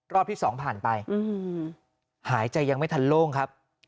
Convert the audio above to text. ที่๒ผ่านไปหายใจยังไม่ทันโล่งครับ